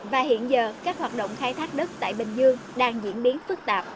và hiện giờ các hoạt động khai thác đất tại bình dương đang diễn biến phức tạp